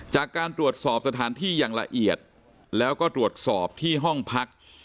จากการตรวจสอบสถานที่อย่างละเอียดแล้วก็ตรวจสอบที่ห้องพัก